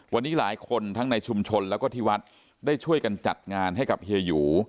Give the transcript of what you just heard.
วันนี้หลายคนทั้งในชุมชนแล้วก็ที่วัดได้ช่วยกันจัดงานให้กับเฮียหยู